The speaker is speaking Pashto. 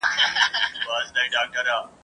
د باد په حکم ځمه ..